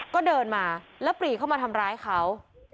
ก็เดินมาแล้วปรีเข้ามาทำร้ายเขา